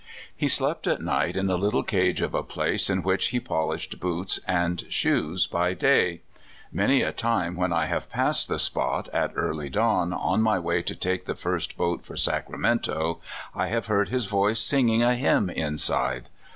He slept at night in the little cage of a place in which he polished boots and shoes by day. Many (107) I08 CALIFORNIA SKETCHES. a time when I have passed the spot at early dawn, on my way to take the first boat for Sacramento, I have heard his voice singing a hymn inside.